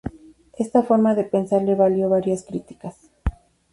Esta forma de pensar le valió varias críticas.